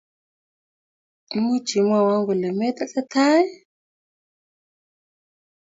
Much imwowoo kole me tesetai?